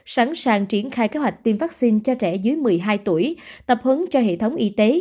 sẵn sàng triển khai kế hoạch tiêm vaccine cho trẻ dưới một mươi hai tuổi tập hấn cho hệ thống y tế